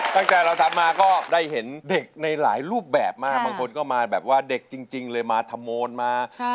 ตั้งแต่เราทำมาก็ได้เห็นเด็กในหลายรูปแบบมากบางคนก็มาแบบว่าเด็กจริงเลยมาทำโมนมา